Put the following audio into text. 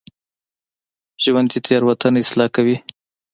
ژوندي تېروتنه اصلاح کوي